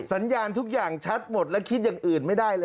สัญญาณทุกอย่างชัดหมดและคิดอย่างอื่นไม่ได้เลย